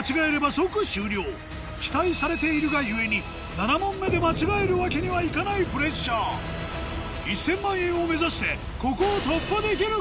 ７問目で間違えるわけにはいかないプレッシャー１０００万円を目指してここを突破できるか⁉